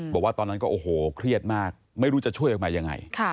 บอกว่าตอนนั้นก็โอ้โหเครียดมากไม่รู้จะช่วยออกมายังไง